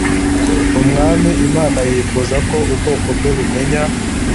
Umwami Imana yifuza ko ubwoko bwe bumenya